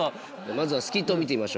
まずはスキットを見てみましょうか。